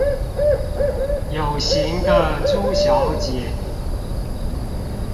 有型的豬小姐